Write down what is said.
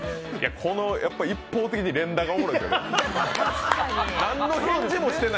この一方的に連打がおもろい。